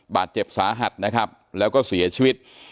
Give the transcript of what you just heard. บาดเจ็บสาหัสนะครับแล้วก็เสียชีวิต